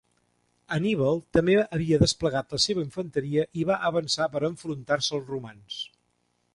Anníbal també havia desplegat la seva infanteria i va avançar per enfrontar-se als romans.